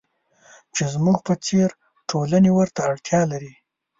چې زموږ په څېر ټولنې ورته اړتیا لري.